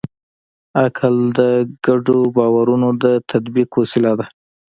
عقل د ګډو باورونو د تطبیق وسیله ده.